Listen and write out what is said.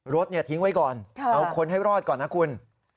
รถทิ้งไว้ก่อนเอาคนให้รอดก่อนนะคุณ